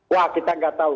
wah kita nggak tahu